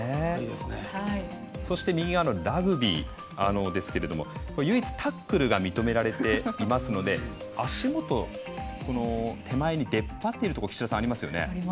そして、右側のラグビーですが唯一タックルが認められていますので足元手前に出っ張っているところ岸田さん、ありますよね。